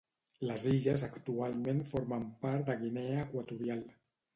Les illes actualment formen part de Guinea Equatorial.